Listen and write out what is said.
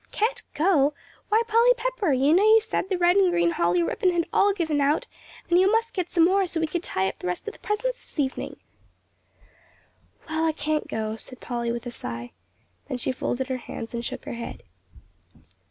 "Can't go? why, Polly Pepper, you know you said the red and green holly ribbon had all given out, and you must get some more so we could tie up the rest of the presents this evening." "Well, I can't go," said Polly, with a sigh. Then she folded her hands and shook her head.